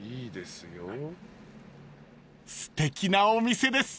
［すてきなお店です］